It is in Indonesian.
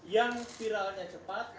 yang viralnya cepat